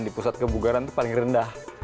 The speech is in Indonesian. di pusat kebugaran itu paling rendah